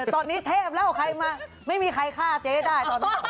ตอนนี้เทพแล้วไม่มีใครฆ่าเจ๊ได้